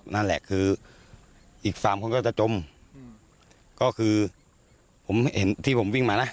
นั่นแหละคืออีกสามคนก็จะจมก็คือผมเห็นที่ผมวิ่งมานะ